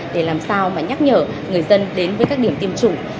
để làm sao mà nhắc nhở người dân đến với các điểm tiêm chủng